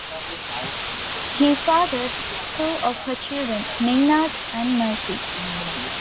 He fathered two of her children, Maynard and Mercy.